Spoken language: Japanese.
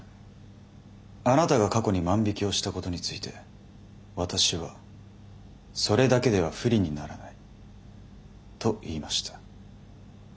あなたが過去に万引きをしたことについて私は「それだけでは不利にならない」と言いました。